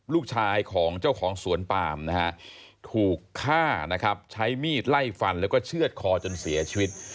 ลูกชายของเจ้าของสวนปามนะฮะถูกฆ่านะครับใช้มีดไล่ฟันแล้วก็เชื่อดคอจนเสียชีวิต